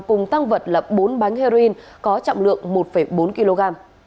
cùng tăng vật là bốn bánh heroin có trọng lượng một bốn kg